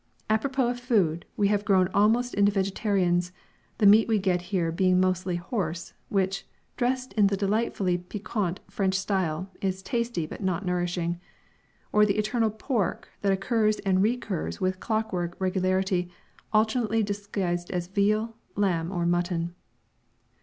Apropos of food, we have grown almost into vegetarians, the meat we get being mostly horse which, dressed in the delightfully piquant French style, is tasty but not nourishing or the eternal pork that occurs and recurs with clockwork regularity alternately disguised as veal, lamb or mutton.